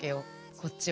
こっちは。